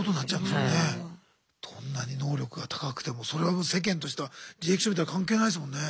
どんなに能力が高くても世間としては履歴書見たら関係ないですもんね。